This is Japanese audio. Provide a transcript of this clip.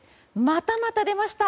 またまた出ました！